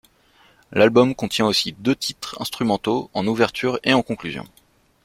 L'album contient aussi deux titres instrumentaux en ouverture et en conclusion.